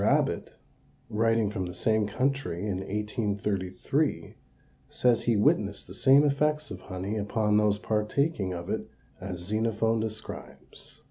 Abbott, writing from the same country in 1833, says he witnessed the same effects of honey upon those partaking of it as Xenophon describes.